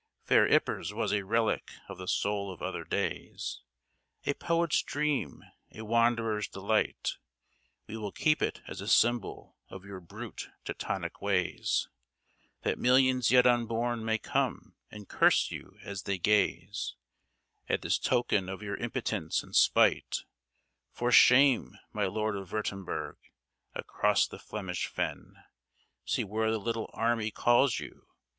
Fair Ypres was a relic of the soul of other days, A poet's dream, a wanderer's delight, We will keep it as a symbol of your brute Teutonic ways That millions yet unborn may come and curse you as they gaze At this token of your impotence and spite. For shame, my Lord of Würtemberg! Across the Flemish Fen See where the little army calls you.